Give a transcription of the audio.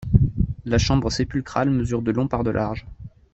La chambre sépulcrale mesure de long par de large.